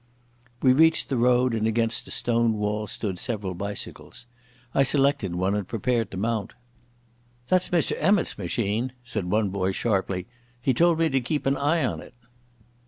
We reached the road and against a stone wall stood several bicycles. I selected one and prepared to mount. "That's Mr Emmott's machine," said one boy sharply. "He told me to keep an eye on it."